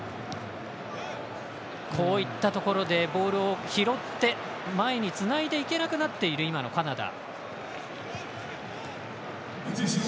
こういったところでボールを拾って前につないでいけなくなっている今のカナダ。